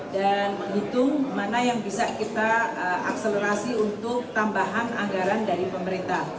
dan menghitung mana yang bisa kita akselerasi untuk tambahan anggaran dari pemerintah